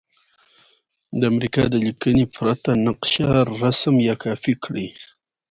د امریکا د لیکنې پرته نقشه رسم یا کاپې کړئ.